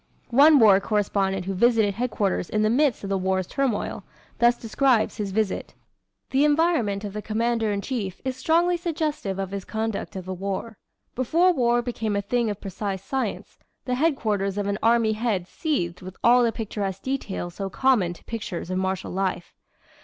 One war correspondent who visited headquarters in the midst of the War's turmoil, thus describes his visit: "The environment of the Commander in chief is strongly suggestive of his conduct of the war. Before war became a thing of precise science, the headquarters of an army head seethed with all the picturesque details so common to pictures of martial life.